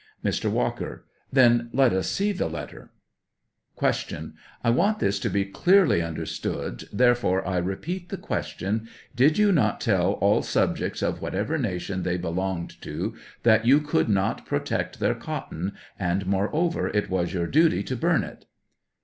Mr. Walker. Then let us see the letter. 85 Q. I want this to be clearly understood, therefore I repeat the question ; did you not tell all subjects of ■nrhatever nation they belonged to, that you could not protect their cotton, and moreover it was your duty to burn it